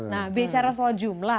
nah bicara soal jumlah